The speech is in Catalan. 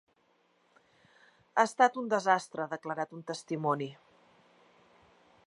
Ha estat un desastre, ha declarat un testimoni.